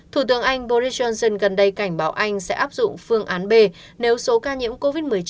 thủ tướng anh boris johnson gần đây cảnh báo anh sẽ áp dụng phương án b nếu số ca nhiễm covid một mươi chín